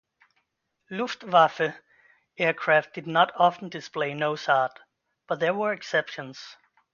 "Luftwaffe" aircraft did not often display nose art, but there were exceptions.